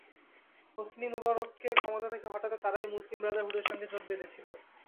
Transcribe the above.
Hosni মোবারককে ক্ষমতা থেকে হটাতে তারাই মুসলিম ব্রাদারহুডের সঙ্গে জোট বেঁধেছিল।